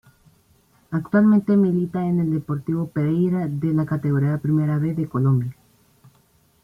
Actualmente milita en el Deportivo Pereira de la Categoría Primera B de Colombia.